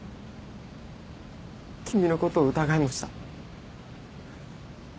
君のことを疑いもした。